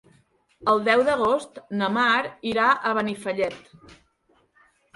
El deu d'agost na Mar irà a Benifallet.